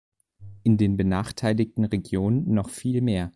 In den benachteiligten Regionen noch viel mehr.